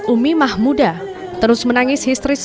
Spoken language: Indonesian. umi mahmuda terus menangis histeris